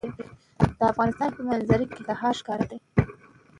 د افغانستان په منظره کې کندهار ښکاره ده.